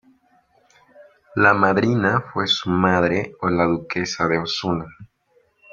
La madrina fue su madre, la duquesa de Osuna.